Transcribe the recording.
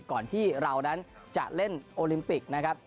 ก่อนที่เรานั้นจะเล่นโอลิมปิกนะครับ